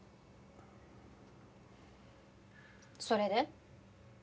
それで？